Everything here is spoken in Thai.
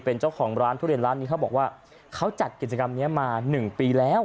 เป็นเจ้าของร้านทุเรียนร้านนี้เขาบอกว่าเขาจัดกิจกรรมนี้มา๑ปีแล้ว